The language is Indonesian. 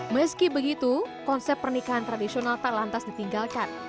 meski begitu konsep pernikahan tradisional tak lantas ditinggalkan